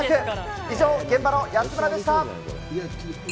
以上、現場の安村でした。